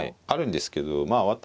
あるんですけどまあ